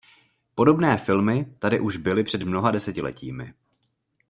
Podobné filmy tady byly už před mnoha desetiletími.